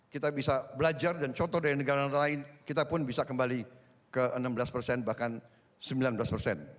kita bisa belajar dan contoh dari negara negara lain kita pun bisa kembali ke enam belas persen bahkan sembilan belas persen